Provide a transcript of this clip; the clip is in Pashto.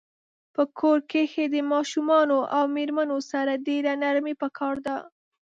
په کور کښی د ماشومانو او میرمنو سره ډیره نرمی پکار ده